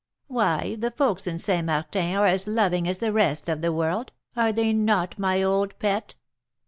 Why, the folks in St. Martin are as loving as the rest of the world; are they not, my old pet?"